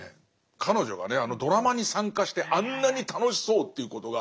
彼女がねあのドラマに参加してあんなに楽しそうっていうことが。